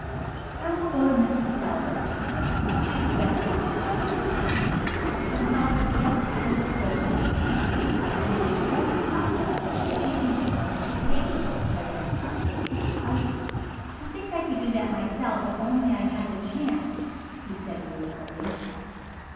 "I will go to Mrs. Talbert she is the best one to talk to first, and tell her just what you have told me, and it is just possible that she can explain it to Peggy," I went on. "I I think I could do that myself if I only had the chance," he said, ruefully.